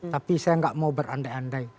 tapi saya nggak mau berandai andai